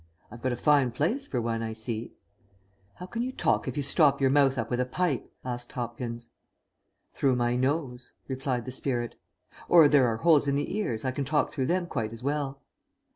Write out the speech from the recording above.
"I've got a fine place for one, I see." "How can you talk if you stop your mouth up with a pipe?" asked Hopkins. "Through my nose," replied the spirit. "Or there are holes in the ears, I can talk through them quite as well."